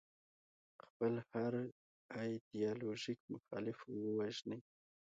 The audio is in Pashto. خپل هر ایدیالوژیک مخالف ووژني.